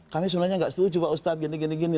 kami sebenarnya nggak setuju pak ustadz gini gini